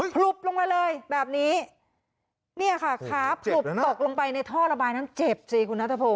ผลุบลงมาเลยแบบนี้เนี่ยค่ะขาผลุบตกลงไปในท่อระบายนั้นเจ็บสิคุณนัทพงศ